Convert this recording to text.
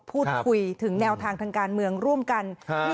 พูดคุยถึงแนวทางทางการเมืองร่วมกัน